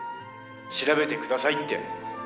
調べてくださいって」